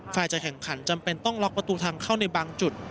ฝ่ายจะแข่งขันจำเป็นต้องล็อกประตูทางเข้าในบางจุด